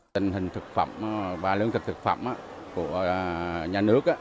tình hình thực phẩm và lương thực thực phẩm của nhà nước